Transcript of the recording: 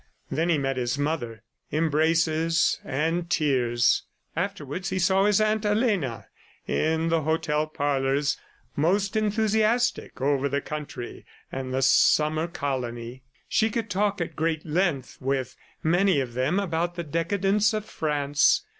Then he met his mother embraces and tears. Afterwards he saw his Aunt Elena in the hotel parlors, most enthusiastic over the country and the summer colony. She could talk at great length with many of them about the decadence of France.